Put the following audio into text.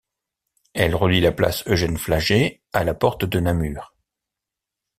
Elle relie la place Eugène Flagey à la Porte de Namur.